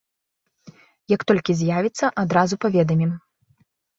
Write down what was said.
Як толькі з'явіцца, адразу паведамім.